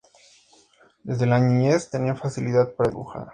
Desde la niñez tenía facilidad para dibujar.